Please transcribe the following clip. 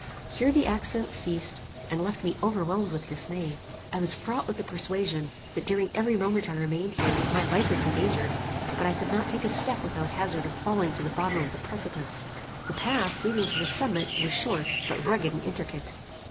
Here the accents ceased, and left me overwhelmed with dismay. I was fraught with the persuasion, that during every moment I remained here, my life was endangered; but I could not take a step without hazard of falling to the bottom of the precipice. The path, leading to the summit, was short, but rugged and intricate.